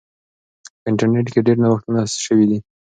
په انټرنیټ کې ډیر نوښتونه سوي دي.